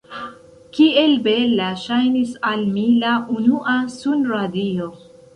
Kiel bela ŝajnis al mi la unua sunradio!